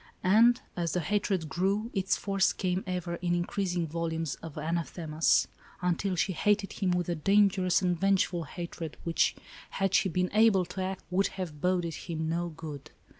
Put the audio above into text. And, as the hatred grew, its force came ever in increasing volumes of anathemas, until she hated him with a danger ous and vengeful hatred, which, had she been able to act, would have boded him no good.